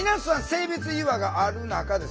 性別違和がある中ですね